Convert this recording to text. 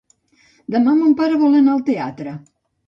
Demà mon pare vol anar al teatre.